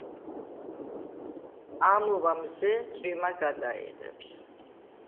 ამოვა მზე წვიმა გადაიღებს